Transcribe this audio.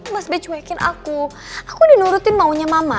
mas be cuekin aku aku udah nurutin maunya mama